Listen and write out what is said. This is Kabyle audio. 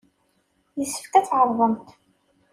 Yessefk ad tɛerḍemt.